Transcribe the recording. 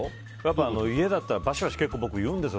家だったらばしばし言うんですよ。